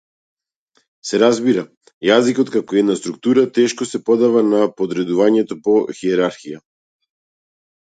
Се разбира, јазикот како една структура тешко се подава на подредување по хиерархија.